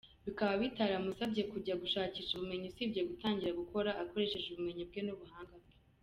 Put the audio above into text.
Bikaba bitaramusabye kujya gushakisha ubumenyi Usibye gutangira gukora, akoresheje ubumenyi bwe nubuhanga bwe.